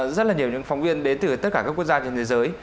rất là nhiều những phóng viên đến từ tất cả các quốc gia trên thế giới